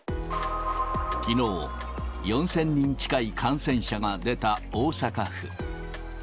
きのう、４０００人近い感染者が出た大阪府。